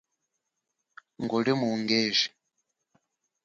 Nguli mu ungeji.